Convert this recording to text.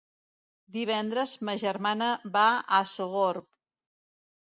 Divendres ma germana va a Sogorb.